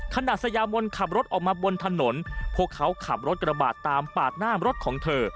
สยามนขับรถออกมาบนถนนพวกเขาขับรถกระบาดตามปาดหน้ารถของเธอ